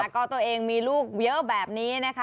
ก็ตัวเองมีลูกเยอะแบบนี้นะคะ